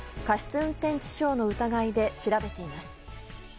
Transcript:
運転致傷の疑いで調べています。